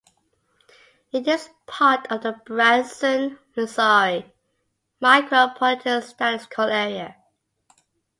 It is part of the Branson, Missouri Micropolitan Statistical Area.